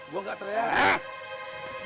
gue gak teriak